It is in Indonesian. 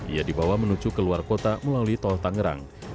ia dibawa menuju ke luar kota melalui tol tangerang